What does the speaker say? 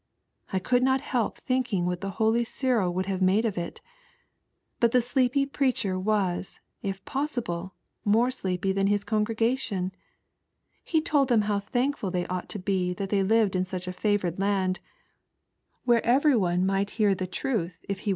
I could not help thinking what the holy Cyril would have made of it. Bat the sleepy preacher waa, if possible, more sleepy than his congregation. He told them how thankful they ought to he that they lived in such a favoured land, where every one might hear the truth if hs W I WEST TO OHUnCH WITH BOODLE.